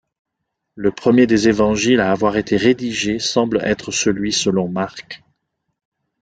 Le premier des évangiles à avoir été rédigé semble être celui selon Marc.